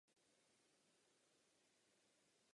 Prošla několika politickými subjekty.